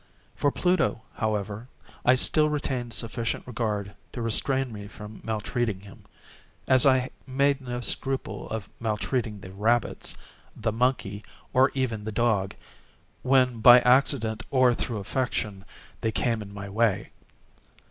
For Pluto, however, I still retained sufficient regard to restrain me from maltreating him, as I made no scruple of maltreating the rabbits, the monkey, or even the dog, when by accident, or through affection, they came in my way.